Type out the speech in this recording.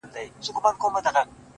د همدې شپې په سهار کي يې ويده کړم”